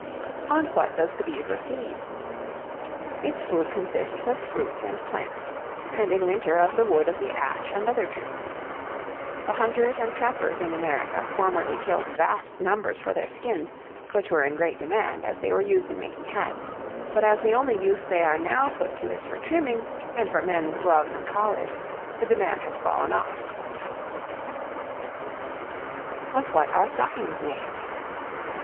On what does the Beaver feed? Its food consists of fruit and plants; and in winter, of the wood of the ash and other trees. The hunters and trappers in America formerly killed vast numbers for their skins, which were in great demand, as they were used in making hats, but as the only use they are now put to is for trimming, and for men's gloves and collars, the demand has fallen off. Of what are stockings made?